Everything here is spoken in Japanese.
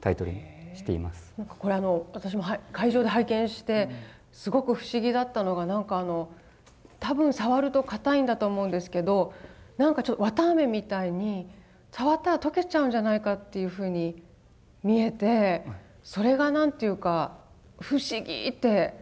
これ私も会場で拝見してすごく不思議だったのが多分触ると硬いんだと思うんですけど何かちょっと綿あめみたいに触ったら溶けちゃうんじゃないかっていうふうに見えてそれが何ていうか不思議って思いまして。